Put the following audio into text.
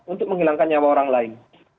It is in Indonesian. untuk menghilangkan nyawa orang lain